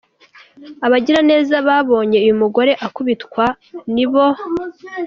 Abagira neza babonye uyu mugore akubitwa nibo.